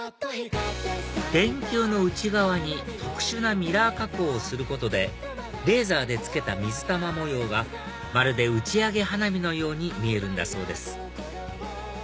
電球の内側に特殊なミラー加工をすることでレーザーでつけた水玉模様がまるで打ち上げ花火のように見えるんだそうです